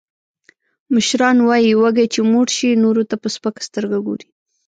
مشران وایي: وږی چې موړ شي، نورو ته په سپکه سترګه ګوري.